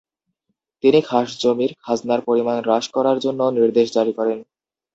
তিনি খাস জমির খাজনার পরিমাণ হ্রাস করার জন্য নির্দেশ জারি করেন।